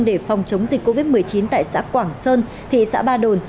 để phòng chống dịch covid một mươi chín tại xã quảng sơn thị xã ba đồn